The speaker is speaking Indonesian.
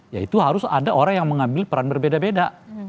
yaitu harus ada orang yang mengambil peran berbeda beda